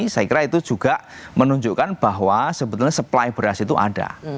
saya kira itu juga menunjukkan bahwa sebetulnya supply beras itu ada